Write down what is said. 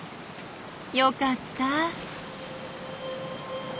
よかった。